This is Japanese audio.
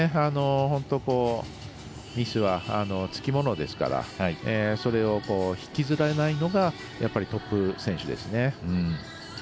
本当ミスはつきものですからそれを、引きずらないのがトップ選手ですね。